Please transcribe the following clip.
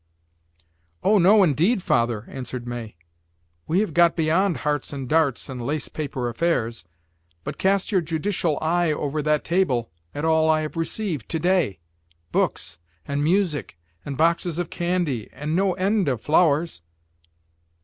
"Oh, no, indeed, father," answered May. "We have got beyond hearts and darts and lace paper affairs; but cast your judicial eye over that table at all I have received to day: books and music and boxes of candy and no end of flowers."